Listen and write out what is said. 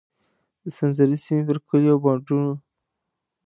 د سنځري سیمې پر کلیو او بانډونو.